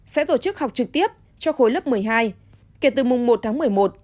sẽ tổ chức học trực tiếp cho khối lớp một mươi hai kể từ mùng một tháng một mươi một